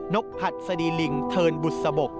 กหัดสดีลิงเทินบุษบก